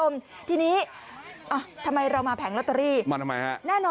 มีความหวังมากเลย